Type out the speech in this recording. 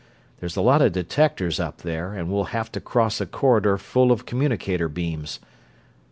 There's a lot of detectors up there, and we'll have to cross a corridor full of communicator beams.